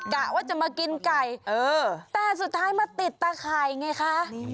กะว่าจะมากินไก่เออแต่สุดท้ายมาติดตาไข่ไงคะ